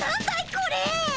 これ。